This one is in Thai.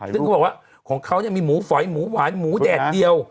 ซึ่งเขาบอกว่าของเขามีหมูฝอยหมูหวานหมูแดดเดียว